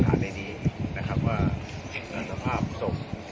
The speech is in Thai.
ถ้าไม่ได้ขออนุญาตมันคือจะมีโทษ